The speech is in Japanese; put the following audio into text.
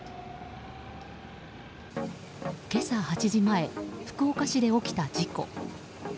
今朝８時前福岡市で起きた事故。